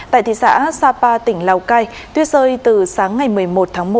tại thị xã sapa tỉnh lào cai tuyết rơi từ sáng ngày một mươi một tháng một